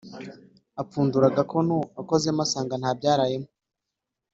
apfundura agakono akozemo asanga ntabyarayemo,